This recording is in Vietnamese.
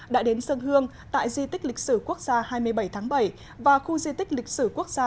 đã đến sân hương tại di tích lịch sử quốc gia hai mươi bảy tháng bảy và khu di tích lịch sử quốc gia